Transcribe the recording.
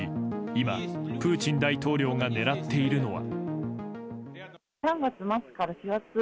今、プーチン大統領が狙っているのは。